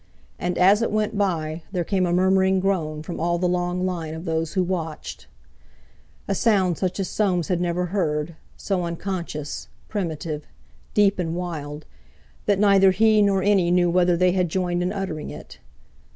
And as it went by there came a murmuring groan from all the long line of those who watched, a sound such as Soames had never heard, so unconscious, primitive, deep and wild, that neither he nor any knew whether they had joined in uttering it.